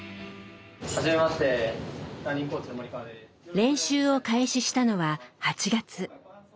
練習を開始したのは８月。